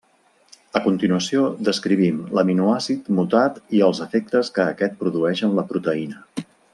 A continuació, descrivim l'aminoàcid mutat i els efectes que aquest produeix en la proteïna.